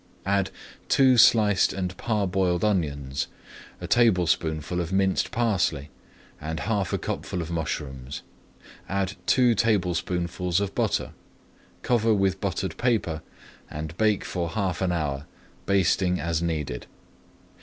Add two sliced and parboiled onions, a tablespoonful of minced parsley, and half a cupful of mushrooms. Add two tablespoonfuls of butter, cover with buttered paper, and bake for half an hour, basting as needed.